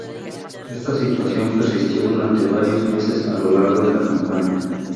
Esta situación persistió durante varios meses a lo largo de la campaña.